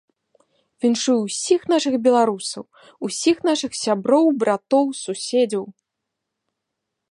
Віншую ўсіх нашых беларусаў, усіх нашых сяброў, братоў, суседзяў.